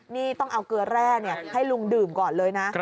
นี่ต้องเอาเกลือแร่ให้ลุงดื่มก่อนเลยนะ